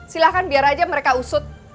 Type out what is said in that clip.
silahkan biar aja mereka usut